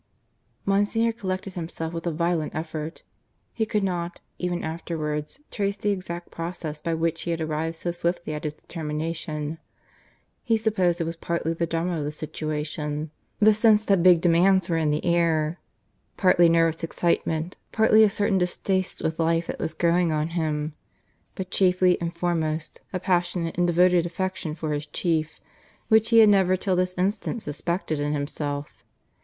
Monsignor collected himself with a violent effort. He could not, even afterwards, trace the exact process by which he had arrived so swiftly at his determination. He supposed it was partly the drama of the situation the sense that big demands were in the air; partly nervous excitement; partly a certain distaste with life that was growing on him; but chiefly and foremost a passionate and devoted affection for his chief, which he had never till this instant suspected in himself.